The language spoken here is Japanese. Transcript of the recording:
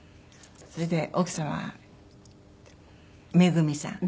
それで奥様はめぐみさん。